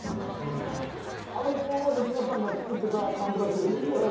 あの工場で皆さんが作ってたかんざらしですよねこれ。